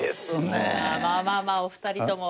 まあまあまあまあお二人とも。